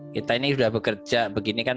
kita ini sudah bekerja begini kan